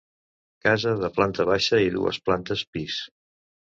Casa de planta baixa i dues plantes pis.